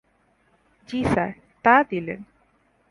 জ্বি স্যার, তা দিলেন।